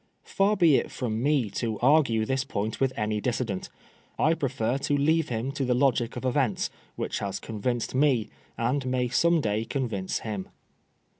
Far be it from me to argue this point with any dissident. I prefer to leave him to the logic of events, which has convinced me, and may some day convince him.